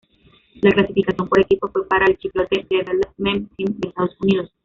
La clasificación por equipos fue para el Chipotle Development Team de Estados Unidos.